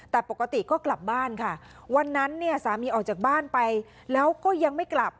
แต่ปกติก็กลับบ้านค่ะวันนั้นเนี่ยสามีออกจากบ้านไปแล้วก็ยังไม่กลับ